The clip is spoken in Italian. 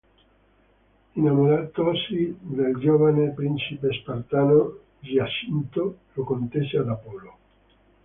Innamoratosi del giovane principe spartano, Giacinto, lo contese ad Apollo.